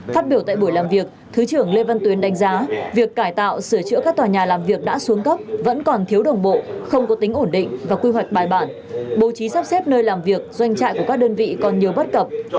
phát biểu tại buổi làm việc thứ trưởng lê văn tuyến đánh giá việc cải tạo sửa chữa các tòa nhà làm việc đã xuống cấp vẫn còn thiếu đồng bộ không có tính ổn định và quy hoạch bài bản bố trí sắp xếp nơi làm việc doanh trại của các đơn vị còn nhiều bất cập